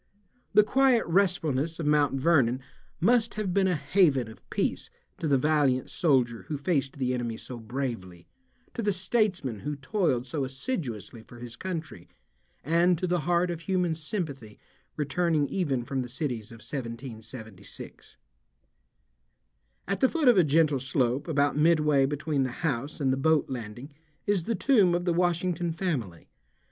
The quiet restfulness of Mt. Vernon must have been a haven of peace to the valiant soldier who faced the enemy so bravely, to the statesman who toiled so assiduously for his country, and to the heart of human sympathy returning even from the cities of 1776. At the foot of a gentle slope about midway between the house and the boat landing is the tomb of the Washington family.